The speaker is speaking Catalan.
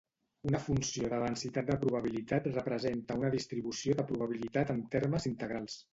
Una funció de densitat de probabilitat representa una distribució de probabilitat en termes integrals